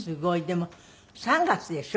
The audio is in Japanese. でも３月でしょ？